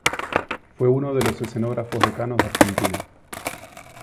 Fue uno de los escenógrafos decanos de Argentina.